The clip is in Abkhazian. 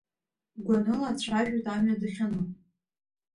Гәаныла дцәажәоит амҩа дахьану.